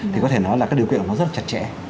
thì có thể nói là cái điều kiện của nó rất là chặt chẽ